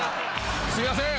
すいません。